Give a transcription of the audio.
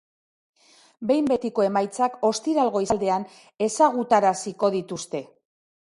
Behin betiko emaitzak ostiral goizaldean ezaguturaziko dituzte.